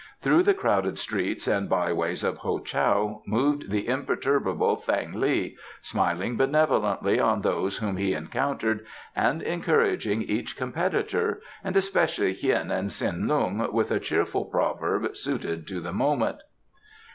Through the crowded streets and by ways of Ho Chow moved the imperturbable Thang li, smiling benevolently on those whom he encountered and encouraging each competitor, and especially Hien and Tsin Lung, with a cheerful proverb suited to the moment.